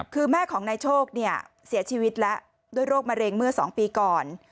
คือแม่ของนายโชคเสียชีวิตแล้วด้วยโรคมะเร็งเมื่อ๒ปีก่อน